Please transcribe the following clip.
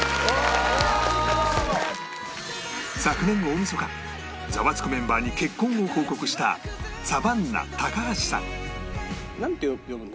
昨年大晦日『ザワつく！』メンバーに結婚を報告したサバンナ高橋さん